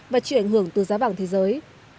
và chịu ảnh hưởng từ giá vàng thế giới